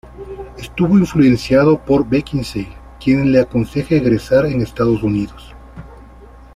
Estuvo influenciado por Beckinsale, quien le aconseja egresar en Estados Unidos.